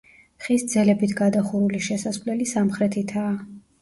ხის ძელებით გადახურული შესასვლელი სამხრეთითაა.